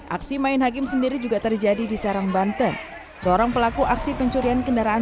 aksi main hakim sendiri juga terjadi di serang banten seorang pelaku aksi pencurian kendaraan